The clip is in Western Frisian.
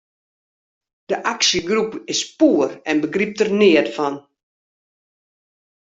De aksjegroep is poer en begrypt der neat fan.